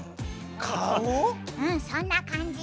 顔⁉うんそんな感じ。